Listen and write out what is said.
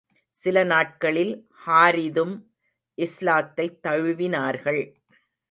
சில நாட்களில் ஹாரிதும் இஸ்லாத்தைத் தழுவினார்கள்.